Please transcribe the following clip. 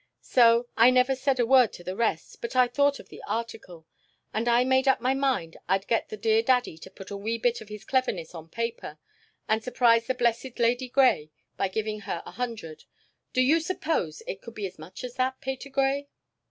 So I never said a word to the rest, but I thought of the article, and I made up my mind I'd get the dear daddy to put a wee bit of his cleverness on paper, and surprise the blessed Lady Grey by giving her her hundred do you suppose it could be as much as that, Patergrey?"